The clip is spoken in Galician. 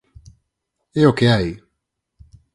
É o que hai.